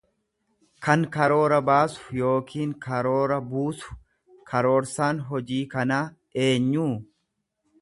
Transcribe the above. kan karoora baasu yookiin karoora buusu; Karoorsaan hojii kanaa eenyuu?